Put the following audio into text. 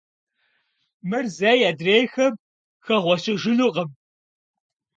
Мыр зэи адрейхэм хэгъуэщэжынукъым.